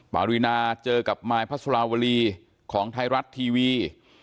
ปรินาเจอกับมายพระสุราวรีของไทยรัฐทีวี